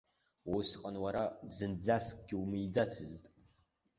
Усҟан уара зынӡаскгьы умиӡацызт.